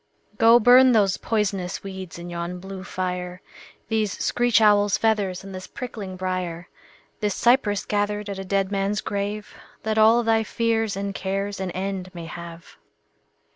Go burn those poisonous weeds in yon blue fire, These screech owl's feathers and this prickling briar, This cypress gathered at a dead man's grave, That all thy fears and cares an end may have.